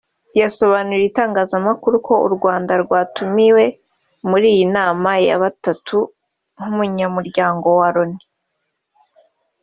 yasobanuriye itangazamakuru ko u Rwanda rwatumiwe muri iyi nama ya batatu nk’umunyamuryango wa Loni